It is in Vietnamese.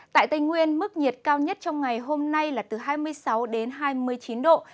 tại tây nguyên mức nhiệt cao nhất trong ngày hôm nay là từ hai mươi sáu đến hai mươi chín độ